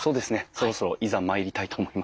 そろそろいざ参りたいと思います。